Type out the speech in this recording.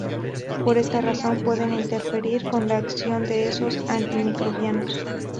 Por esta razón pueden interferir con la acción de esos antimicrobianos.